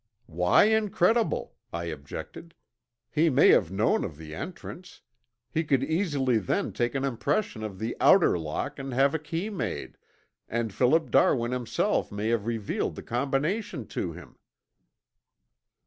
"Why incredible?" I objected. "He may have known of the entrance. He could easily then take an impression of the outer lock and have a key made, and Philip Darwin himself may have revealed the combination to him."